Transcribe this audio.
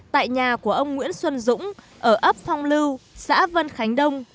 tại nhà của ông nguyễn xuân dũng ở ấp phong lưu xã vân khánh đông